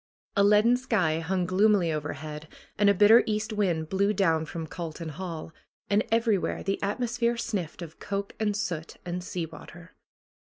A leaden sky hung gloomily overhead and a bitter east wind blew down from Calton Hall, and everywhere the atmosphere sniffed of coke, and soot, and sea water.